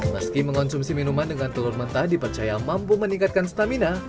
meski mengonsumsi minuman dengan telur mentah dipercaya mampu meningkatkan stamina